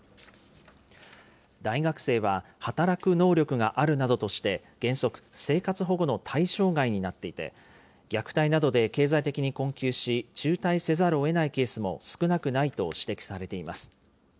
大学生は働く能力があるなどとして、原則、生活保護の対象外になっていて、虐待などで経済的に困窮し、中退せざるをえないケースも少なくないと指摘されています。